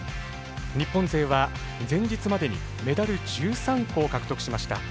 日本勢は前日までにメダル１３個を獲得しました。